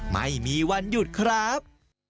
ไม่มีวันหยุดครับ